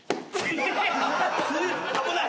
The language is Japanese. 危ない。